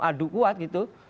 adu kuat gitu